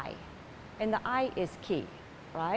dan mata adalah kunci